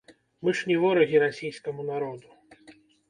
Мы ж не ворагі расійскаму народу.